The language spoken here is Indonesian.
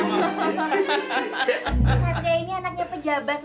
saya percaya ini anaknya pejabat pak